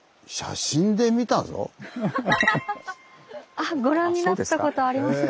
あご覧になったことありますか。